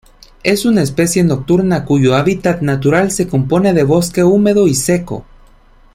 Es una especie nocturna cuyo hábitat natural se compone de bosque húmedo y seco.